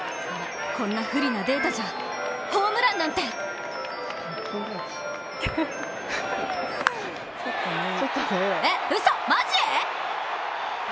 こんな不利なデータじゃホームランなんてえ、うそ、マジ！？